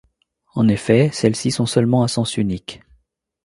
En effet, celles-ci sont seulement à sens unique.